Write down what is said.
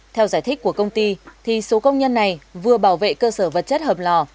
theo giải thích của công ty thì số công nhân này vừa bảo vệ cơ sở vật chất hầm lò